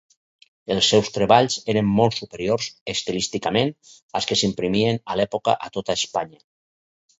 Els seus treballs eren molt superiors estilísticament als que s'imprimien a l'època a tota Espanya.